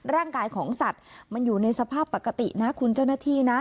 ร่างกายของสัตว์มันอยู่ในสภาพปกตินะคุณเจ้าหน้าที่นะ